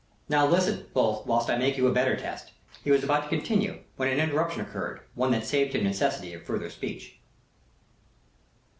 "Now, listen, both, whilst I make you a better test." He was about to continue, when an interruption occurred one that saved him necessity of further speech.